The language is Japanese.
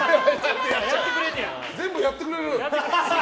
全部やってくれる。